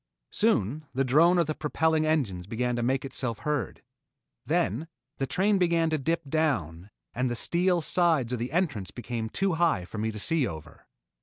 Soon the drone of the propelling engines began to make itself heard. Then the train began to dip down and the steel sides of the entrance became too high for me to see over.